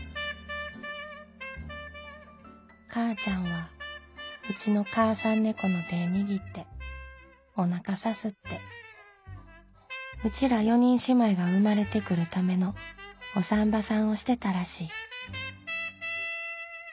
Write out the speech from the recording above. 「かーちゃんはうちの母さん猫の手ぇ握っておなかさすってうちら四にん姉妹が生まれてくるためのお産婆さんをしてたらしい」。